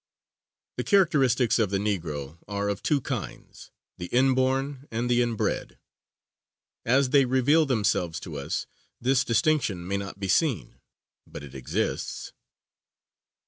[Illustration: H.T. KEALING.] The characteristics of the Negro are of two kinds the inborn and the inbred. As they reveal themselves to us, this distinction may not be seen, but it exists.